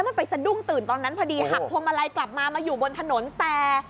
มันไปสะดุ้งตื่นตอนนั้นพอดีหักพวงมาลัยกลับมามาอยู่บนถนนแต่